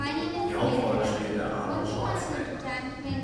Die Hauptrolle spielte Arnold Schwarzenegger.